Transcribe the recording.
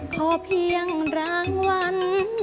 ขอเพียงรางวัล